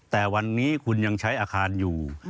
แต่วันนี้คุณยังใช้อาคารอยู่